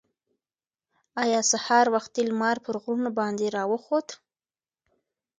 ایا سهار وختي لمر پر غرونو باندې راوخوت؟